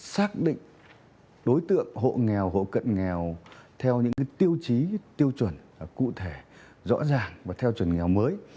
xác định đối tượng hộ nghèo hộ cận nghèo theo những tiêu chí tiêu chuẩn cụ thể rõ ràng và theo chuẩn nghèo mới